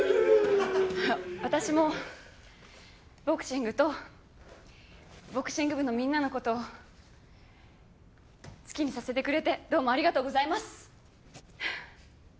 私もボクシングとボクシング部のみんなの事を好きにさせてくれてどうもありがとうございます！